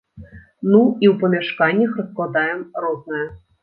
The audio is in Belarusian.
Ну, і ў памяшканнях раскладаем рознае.